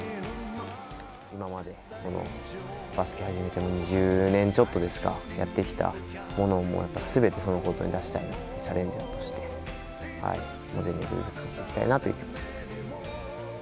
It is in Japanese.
今までバスケ始めて２０年ちょっとですか、やってきたものをやっぱりすべてそのコートで出したい、チャレンジャーとして、全力でぶつかっていきたいなという気持ちです。